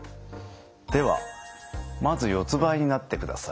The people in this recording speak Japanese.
ではまず四つばいになってください。